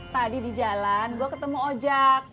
tadi di jalan gue ketemu ojek